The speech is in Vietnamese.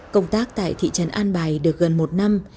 công tác tại thị trấn an bài được gần một năm